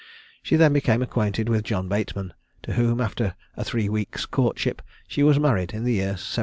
She then became acquainted with John Bateman, to whom after a three weeks' courtship she was married in the year 1792.